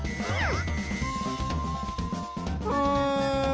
うん。